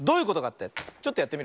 ちょっとやってみるからね。